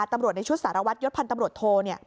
ตำรวจในชุดสารวัตรยศพันธ์ตำรวจโท